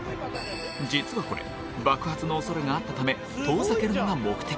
実はこれ爆発の恐れがあったため遠ざけるのが目的。